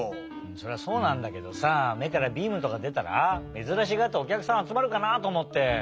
それはそうなんだけどさめからビームとかでたらめずらしがっておきゃくさんあつまるかなとおもって。